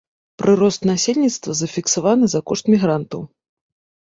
Прырост насельніцтва зафіксаваны за кошт мігрантаў.